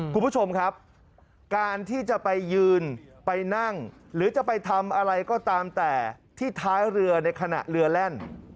คุณผู้ชมครับการที่จะไปยืนไปนั่งหรือจะไปทำอะไรก็ตามแต่ที่ท้ายเรือในขณะเรือแล่น